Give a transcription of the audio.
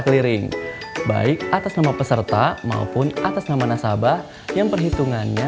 keliling baik atas nama peserta maupun atas nama nasabah yang perhitungannya